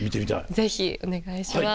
ぜひお願いします。